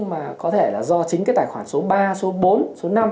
mà có thể là do chính cái tài khoản số ba số bốn số năm